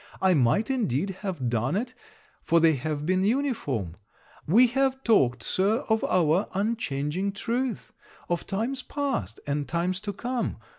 I might, indeed have done it, for they have been uniform. We have talked, Sir, of our unchanging truth. Of times past, and times to come.